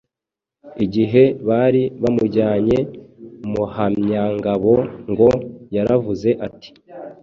Igihe bari bamujyanye, Muhamyangabo ngo yaravuze ati: